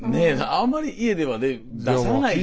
あんまり家ではね出さないでしょ。